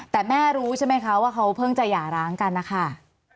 แต่แม่รู้ใช่ไหมคะว่าเขาเพิ่งจะหย่าร้างกันนะคะ